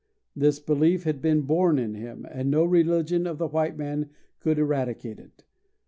This belief had been born in him, and no religion of the white man could eradicate it.